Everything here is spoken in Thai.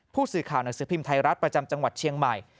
ผู้สื่อข่าวหนังสือพิมพ์ไทยรัฐประจำจังหวัดเชียงใหม่